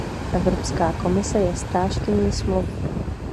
Evropská komise je strážkyní smluv.